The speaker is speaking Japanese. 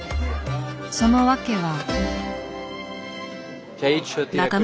その訳は。